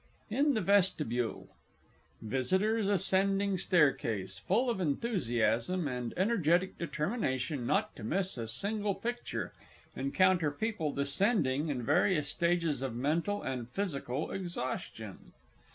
IN THE VESTIBULE. _Visitors ascending staircase, full of enthusiasm and energetic determination not to miss a single Picture, encounter people descending in various stages of mental and physical exhaustion.